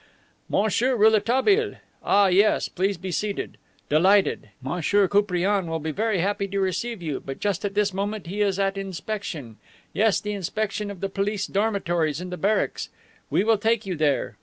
"Monsieur Rouletabille! Ah, yes. Please be seated. Delighted, M. Koupriane will be very happy to receive you, but just at this moment he is at inspection. Yes, the inspection of the police dormitories in the barracks. We will take you there.